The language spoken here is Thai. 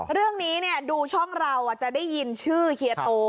เรื่องนี้ดูช่องเราจะได้ยินชื่อเฮียโต